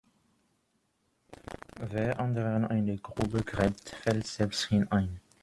Wer anderen eine Grube gräbt, fällt selbst hinein.